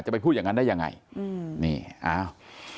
ไปพูดอย่างนั้นได้ยังไงอืมนี่อ้าว